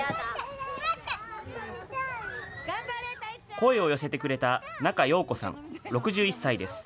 声を寄せてくれた、仲葉子さん６１歳です。